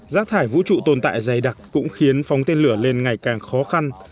rác thải vũ trụ tồn tại dày đặc cũng khiến phóng tên lửa lên ngày càng khó khăn